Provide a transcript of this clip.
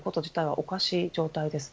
おかしい状態です。